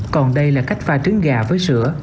còn đây là cách pha trứng gà với sữa